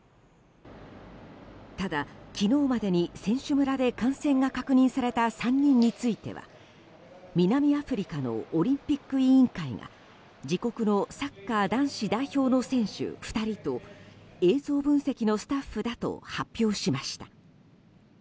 ただ、昨日までに選手村で感染が確認された３人については南アフリカのオリンピック委員会が自国のサッカー男子代表の選手２人と映像分析のスタッフだと発表しました。